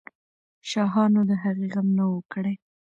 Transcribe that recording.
شاهانو د هغې غم نه وو کړی.